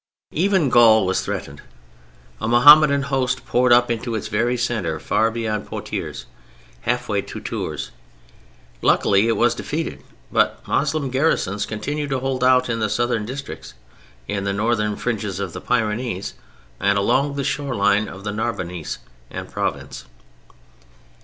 Even Gaul was threatened: a Mohammedan host poured up into its very centre far beyond Poitiers: halfway to Tours. Luckily it was defeated; but Moslem garrisons continued to hold out in the Southern districts, in the northern fringes of the Pyrenees and along the shore line of the Narbonese and Provence.